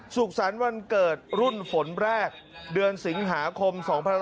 สุขสรรค์วันเกิดรุ่นฝนแรกเดือนสิงหาคม๒๕๖๒